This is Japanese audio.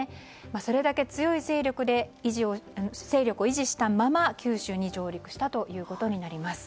それだけ強い勢力を維持したまま九州に上陸したということになります。